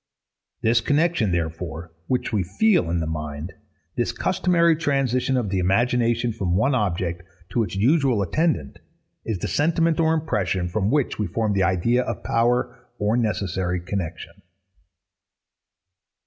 This connexion, therefore, which we feel in the mind, this customary transition of the imagination from one object to its usual attendant, is the sentiment or impression from which we form the idea of power or necessary connexion.